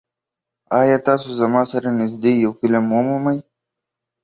ایا تاسو زما سره نږدې یو فلم ومومئ؟